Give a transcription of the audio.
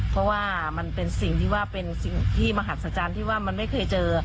เพราะว่ามันเป็นสิ่งที่มหัศจรรย์ที่ว่ามันไม่เคยเจอ